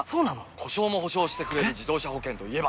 故障も補償してくれる自動車保険といえば？